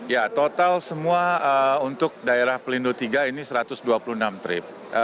ya total semua untuk daerah pelindung tiga ini satu ratus dua puluh enam trip